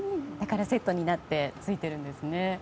だからセットになってついているんですね。